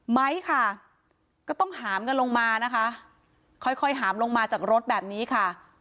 ไม้ค่ะก็ต้องหามกันลงมานะคะค่อยค่อยหามลงมาจากรถแบบนี้ค่ะ